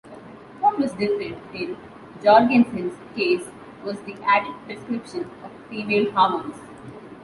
What was different in Jorgensen's case was the added prescription of female hormones.